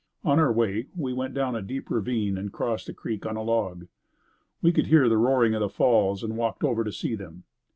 On our way, we went down a deep ravine and crossed the creek on a log. We could hear the roaring of falls and walked over to see them.